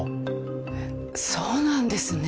えっそうなんですね。